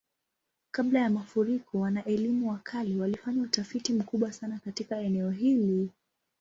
Kabla ya mafuriko, wana-elimu wa kale walifanya utafiti mkubwa sana katika eneo hili.